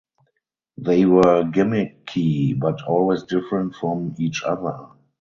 They were gimmicky but always different from each other.